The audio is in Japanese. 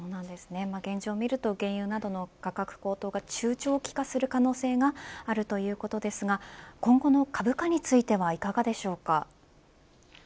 現状を見ると原油などの価格高騰が中長期化する可能性があるということですが今後の株価についてはいかがでしょうか。